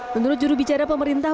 menurut jurubicara pemerintah